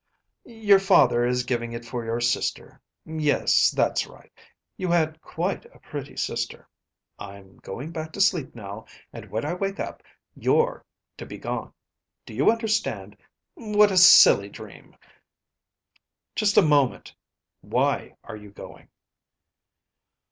"Your father is giving it for your sister. Yes, that's right. You had quite a pretty sister. I'm going back to sleep now. And when I wake up, you're to be gone, do you understand? What a silly dream." "Just a moment. Why are you going?"